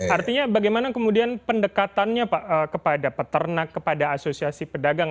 artinya bagaimana kemudian pendekatannya pak kepada peternak kepada asosiasi pedagang